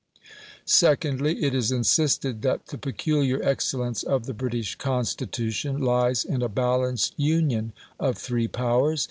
Secondly, it is insisted that the peculiar excellence of the British Constitution lies in a balanced union of three powers.